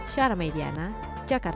syara mediana jakarta